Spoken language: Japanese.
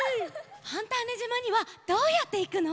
ファンターネじまにはどうやっていくの？